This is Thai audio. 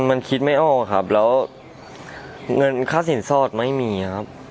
มันคิดไม่ออกครับแล้วเงินค่าสินสอดไม่มีครับ